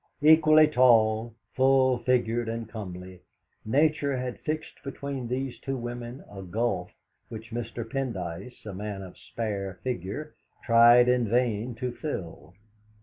Equally tall, full figured, and comely, Nature had fixed between these two women a gulf which Mr. Pendyce, a man of spare figure, tried in vain to fill.